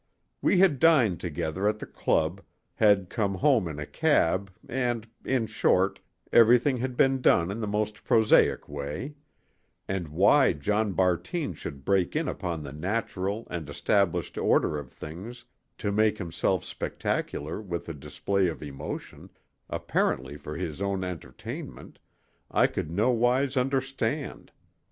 We had dined together at the club, had come home in a cab and—in short, everything had been done in the most prosaic way; and why John Bartine should break in upon the natural and established order of things to make himself spectacular with a display of emotion, apparently for his own entertainment, I could nowise understand.